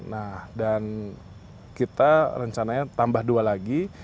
nah dan kita rencananya tambah dua lagi